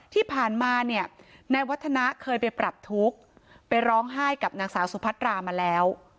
ที่ผ่านมาเนี่ยนายวัฒนะเคยไปปรับทุกข์ไปร้องไห้กับนางสาวสุพัตรามาแล้ว